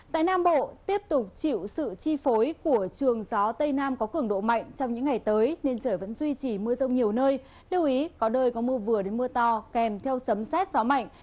tại nam bộ tiếp tục chịu sự chi phối của trường gió tây nam có cường độ mạnh trong những ngày tới nên trời vẫn duy trì mưa rông nhiều nơi lưu ý có nơi có mưa vừa đến mưa to kèm theo sấm xét gió mạnh